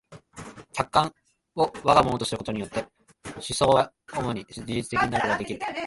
客観を我が物とすることによって思惟は真に自律的になることができる。